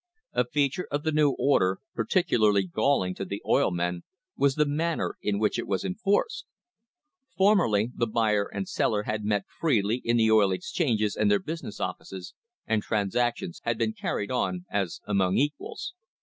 A feature of the new order, particularly galling to the oil men, was the manner in which it was enforced. Formerly the buyer and seller had met freely in the oil exchanges and their business offices, and transactions had been carried on as among equals.